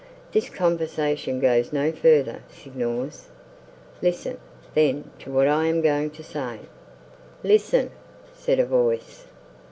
This conversation goes no further, Signors. Listen, then, to what I am going to say." "Listen!" said a voice.